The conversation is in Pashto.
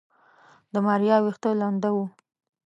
د ماريا ويښته لنده وه.